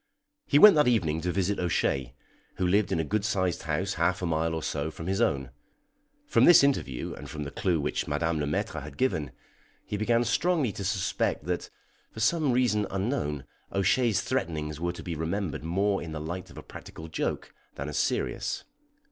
He went that evening to visit O'Shea, who lived in a good sized house half a mile or so from his own. From this interview, and from the clue which Madame Le Maître had given, he began strongly to suspect that, for some reason unknown, O'Shea's threatenings were to be remembered more in the light of a practical joke than as serious.